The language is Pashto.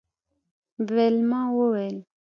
ویلما وویل